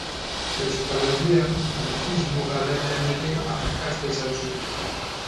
Euskal Herrian frankismo garaian ere arrakasta izan zuen.